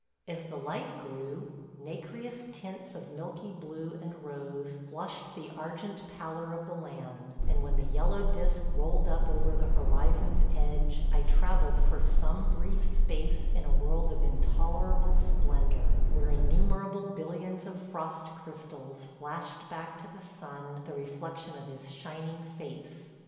As the light grew, nacreous tints of milky blue and rose flushed the argent pallor of the land, and when the yellow disk rolled up over the horizon's edge I travelled for some brief space in a world of intolerable splendor, where innumerable billions of frost crystals flashed back to the sun the reflection of his shining face.